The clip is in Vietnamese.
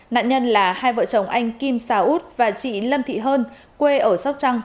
nạn nhân là hai vợ chồng anh kim xà út và chị lâm thị hơn quê ở sóc trăng